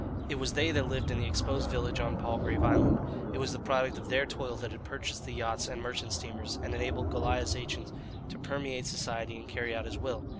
It was they that lived in the exposed village on Palgrave Island. It was the product of their toil that had purchased the yachts and merchant steamers and enabled Goliah's agents to permeate society and carry out his will.